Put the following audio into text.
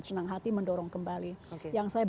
senang hati mendorong kembali yang saya